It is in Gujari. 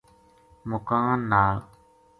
مُکاں نال